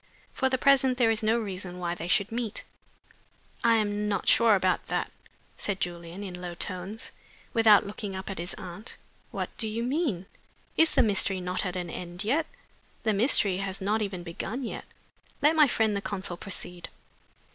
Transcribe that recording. For the present there is no reason why they should meet." "I am not sure about that," said Julian, in low tones, without looking up at his aunt. "What do you mean? Is the mystery not at an end yet?" "The mystery has not even begun yet. Let my friend the consul proceed."